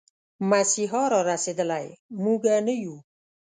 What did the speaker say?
مسيحا را رسېدلی، موږه نه يو